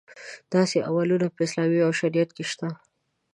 داسې عملونه په اسلام او شریعت کې شته.